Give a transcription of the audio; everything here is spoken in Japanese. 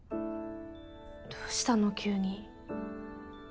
どうしたの急に。